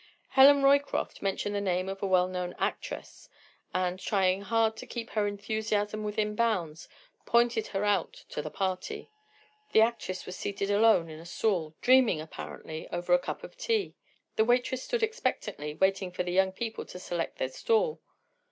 Helen Roycroft mentioned the name of a well known actress and, trying hard to keep her enthusiasm within bounds, pointed her out to the party. The actress was seated alone in a stall, dreaming apparently, over a cup of tea. The waitress stood expectantly waiting for the young people to select their stall.